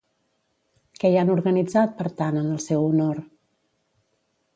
Què hi han organitzat, per tant, en el seu honor?